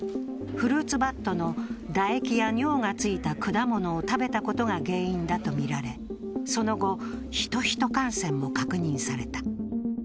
フルーツバットの唾液や尿がついた果物を食べたことが原因だとみられ、その後、ヒト−ヒト感染も確認された。